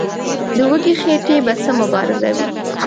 د وږي خېټې به څه مبارزه وي.